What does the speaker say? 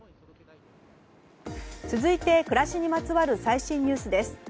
続いて、暮らしにまつわる最新ニュースです。